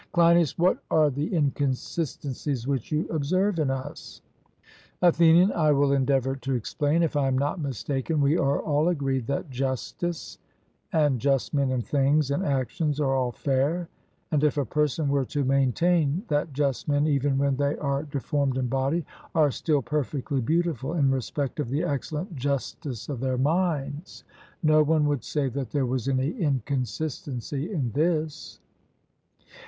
CLEINIAS: What are the inconsistencies which you observe in us? ATHENIAN: I will endeavour to explain. If I am not mistaken, we are all agreed that justice, and just men and things and actions, are all fair, and, if a person were to maintain that just men, even when they are deformed in body, are still perfectly beautiful in respect of the excellent justice of their minds, no one would say that there was any inconsistency in this.